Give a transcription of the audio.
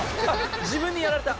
自分にやられた。